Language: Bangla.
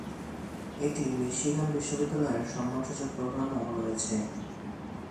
এটি মিশিগান বিশ্ববিদ্যালয়ের সম্মানসূচক প্রোগ্রামও রয়েছে।